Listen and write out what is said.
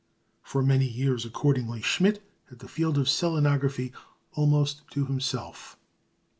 For many years, accordingly, Schmidt had the field of selenography almost to himself.